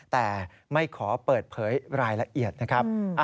แต่ไม่ขอเปิดเผยรายละเอียดนะครับ